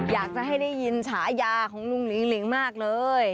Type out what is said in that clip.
อยากจะให้ได้ยินฉายาของลุงหนิงหลิงมากเลย